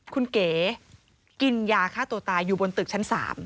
คุณเก๋กินยาฆ่าตัวตายอยู่บนตึกชั้น๓